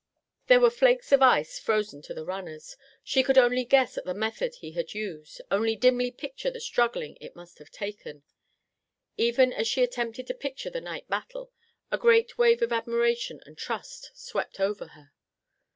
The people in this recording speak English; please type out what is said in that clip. There were flakes of ice frozen to the runners. She could only guess at the method he had used, only dimly picture the struggle it must have taken. Even as she attempted to picture the night battle, a great wave of admiration and trust swept over her.